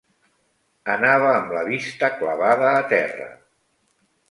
Anava amb la vista clavada a terra